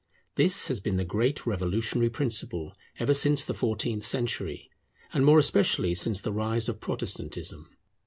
This has been the great revolutionary principle ever since the fourteenth century, and more especially since the rise of Protestantism.